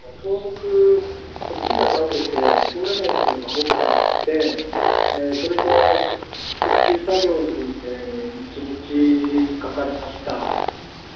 島のあちこちで道路に倒木、木が倒れて通れないところが多くありましてそれの復旧作業に１日かかりました。